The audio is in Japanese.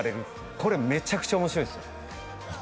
これめちゃくちゃ面白いっすよ